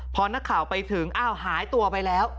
พอนักข่าวไปถึงอ้าวหายตัวไปแล้ว